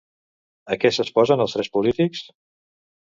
A què s'exposen els tres polítics?